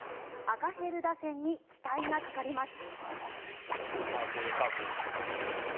赤ヘル打線に期待がかかります。